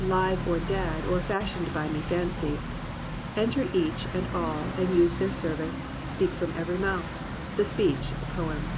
Live or dead or fashioned by my fancy. Enter each and aU and use their service. Speak from every mouth, — the speech a poem."